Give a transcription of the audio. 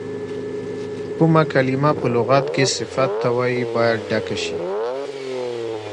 کومه کلمه په لغت کې صفت ته وایي باید ډکه شي.